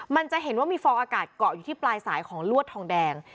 มันจะเห็นว่ามีฟองอากาศเกาะอยู่ที่ปลายสายของลวดทองแดง